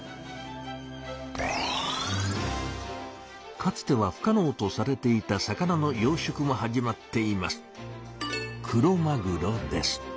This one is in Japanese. かつては不かのうとされていた魚の養しょくも始まっています。